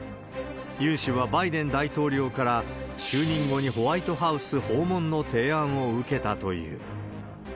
ユン氏はバイデン大統領から、就任後にホワイトハウス訪問の提案を受けたという。